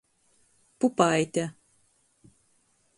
Pupaite.